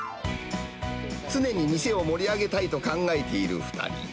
常に店を盛り上げたいと考えている２人。